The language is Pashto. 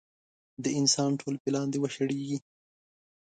د انسان ټول پلان دې وشړېږي.